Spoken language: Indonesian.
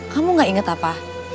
kamu gak inget apa